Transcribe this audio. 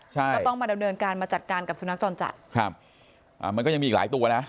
ใช่ก็ต้องมาดำเนินการมาจัดการกับสุนัขจรจัดครับอ่ามันก็ยังมีอีกหลายตัวนะ